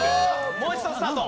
もう一度スタート。